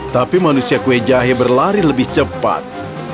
tapi manusia kue jahe berlari lebih cepat